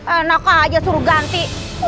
enak aja suruh ganti